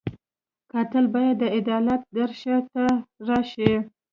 قاتل باید د عدالت درشل ته راشي